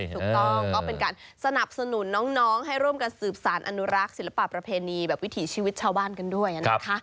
ถูกต้องก็เป็นการสนับสนุนน้องให้ร่วมกันสืบสารอนุรักษ์ศิลปะประเพณีแบบวิถีชีวิตชาวบ้านกันด้วยนะคะ